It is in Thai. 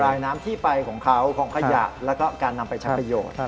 น้ำที่ไปของเขาของขยะแล้วก็การนำไปใช้ประโยชน์